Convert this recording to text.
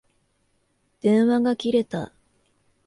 電話が切れた。